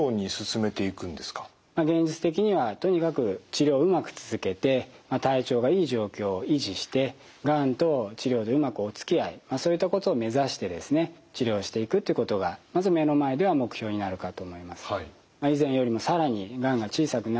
現実的にはとにかく治療をうまく続けて体調がいい状況を維持してがんと治療でうまくおつきあいそういったことを目指してですね治療していくってことがまず目の前では目標になるかと思います。